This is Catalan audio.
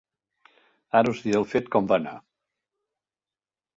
Ara us diré el fet com va anar.